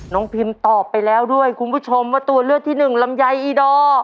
พิมตอบไปแล้วด้วยคุณผู้ชมว่าตัวเลือกที่หนึ่งลำไยอีดอร์